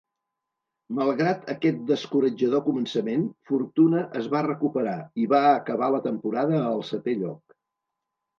Malgrat aquest descoratjador començament, Fortuna es va recuperar i va acabar la temporada al setè lloc.